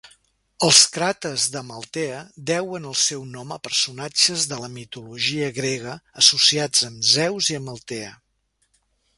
Els cràters d'Amaltea deuen el seu nom a personatges de la mitologia grega associats amb Zeus i Amaltea.